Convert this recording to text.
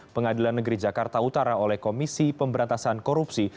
pengadilan negeri jakarta utara oleh komisi pemberantasan korupsi